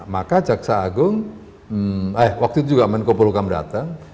maka jaksa agung eh waktu itu juga menko polukam datang